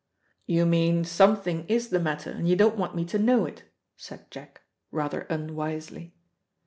"You mean something is the matter, and you don't want me to know it," said Jack, rather unwisely.